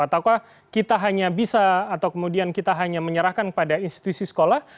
ataukah kita hanya bisa atau kemudian kita hanya menyerahkan pada institusi sekolah